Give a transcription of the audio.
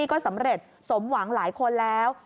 ก็สำเร็จสมหวังหลายคนแล้ว